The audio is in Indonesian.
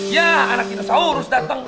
ya anak dinosaurus dateng